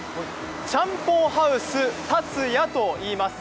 チャンポンハウスたつやといいます。